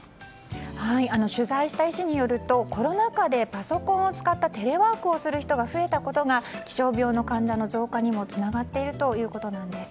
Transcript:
取材した医師によるとコロナ禍でパソコンを使ったテレワークをする人が増えたことが気象病の患者の増加にもつながっているということなんです。